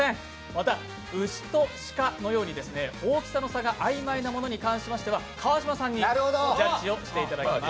また、牛と鹿のように大きさの差があいまいなものに関しては川島さんにジャッジをしていただきます。